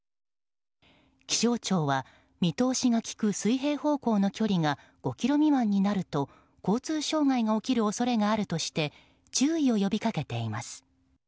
気象庁は、見通しがきく水平方向の距離が５ｋｍ未満になると交通障害が起きる恐れがあるとして注意を呼びかけています。